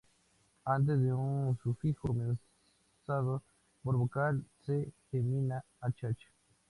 Antes de un sufijo comenzado por vocal, se gemina h.h.